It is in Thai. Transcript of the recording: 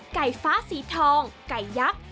ไก่ฟ้าสีทองไก่ยักษ์